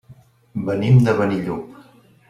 Venim de Benillup.